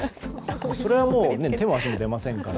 それはもう手も足も出ませんから。